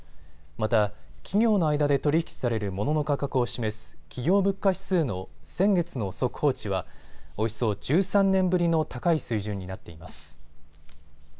また企業の間で取り引きされるモノの価格を示す企業物価指数の先月の速報値はおよそ１３年ぶりの高い水準になっています。